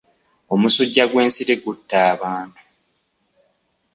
Omusujja gw'ensiri gutta abantu.